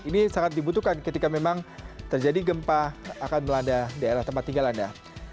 itu kan ketika memang terjadi gempa akan melanda daerah tempat tinggal anda